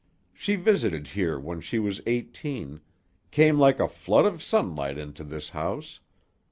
She visited here when she was eighteen; came like a flood of sunlight into this house.